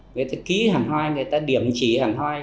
người ta ký hàng hoài người ta điểm chỉ hàng hoài